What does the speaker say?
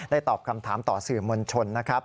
ตอบคำถามต่อสื่อมวลชนนะครับ